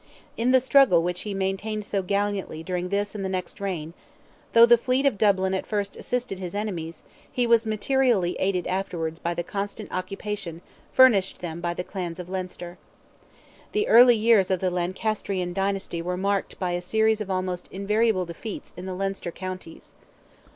In the struggle which he maintained so gallantly during this and the next reign, though the fleet of Dublin at first assisted his enemies, he was materially aided afterwards by the constant occupation furnished them by the clans of Leinster. The early years of the Lancasterian dynasty were marked by a series of almost invariable defeats in the Leinster counties.